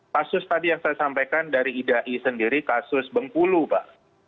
kasus tadi yang saya sampaikan dari idai sendiri kasus bengkulu pak